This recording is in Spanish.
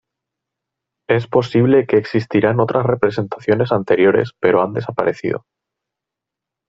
Es posible que existirán otras representaciones anteriores pero han desaparecido.